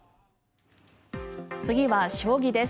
次は将棋です。